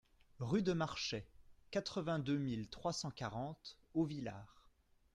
Rue de Marchet, quatre-vingt-deux mille trois cent quarante Auvillar